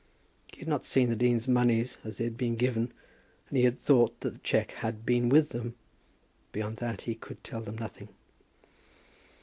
He had not seen the dean's monies as they had been given, and he had thought that the cheque had been with them. Beyond that he could tell them nothing.